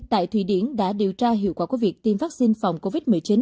tại thụy điển đã điều tra hiệu quả của việc tiêm vaccine phòng covid một mươi chín